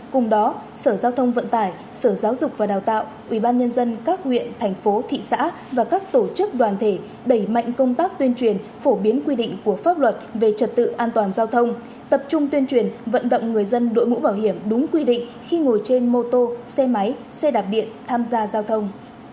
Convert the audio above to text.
cùng đó sở giao thông vận tải sở giáo dục và đào tạo ubnd các huyện thành phố thị xã và các tổ chức đoàn thể đẩy mạnh công tác tuyên truyền phổ biến quy định của pháp luật về trật tự an toàn giao thông tập trung tuyên truyền vận động người dân đội mũ bảo hiểm đúng quy định khi ngồi trên mô tô xe máy xe đạp điện tham gia giao thông